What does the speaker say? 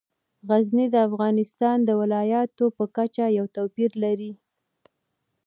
غزني د افغانستان د ولایاتو په کچه یو توپیر لري.